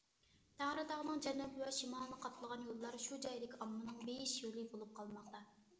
تەڭرىتاغنىڭ جەنۇبى ۋە شىمالىنى قاپلىغان يوللار شۇ جايدىكى ئاممىنىڭ بېيىش يولى بولۇپ قالماقتا.